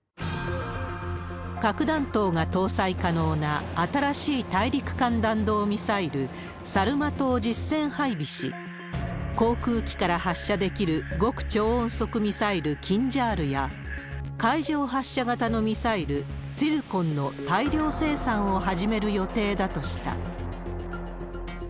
核弾頭が搭載可能な新しい大陸間弾道ミサイル、サルマトを実戦配備し、航空機から発射できる極超音速ミサイル、キンジャールや、海上発射型のミサイル、ツィルコンの大量生産を始める予定だとした。